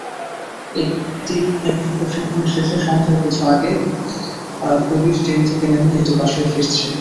একদিন প্রশিক্ষণ শেষে সন্ধ্যার কিছু আগে কবির ট্রেন থেকে নেমে হেঁটে বাসায় ফিরছে।